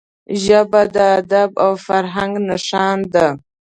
ژبه د ادب او فرهنګ نښانه ده